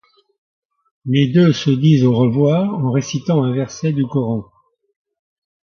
Les deux se disent au revoir en récitant un verset du Coran.